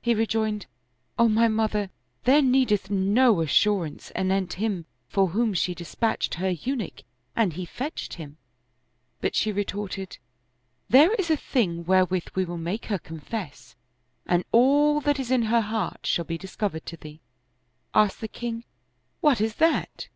He rejoined, "O my mother, there needeth no assurance anent him for whom she dispatched her Eunuch and he fetched him." But she retorted, " There is a thing wherewith we will make her confess, and all that is in her heart shall be discovered to thee." Asked the king, " What is that?